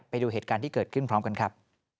ไปดูเหตุการณ์ที่เกิดขึ้นพร้อมกันครับ